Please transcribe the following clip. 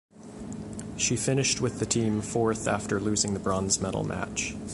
She finished with the team fourth after losing the bronze medal match.